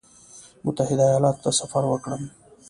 متحده ایالاتو ته سفر وکړم.